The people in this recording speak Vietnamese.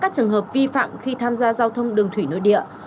các trường hợp vi phạm khi tham gia giao thông đường thủy nội địa